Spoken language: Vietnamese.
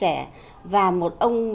ngã không sao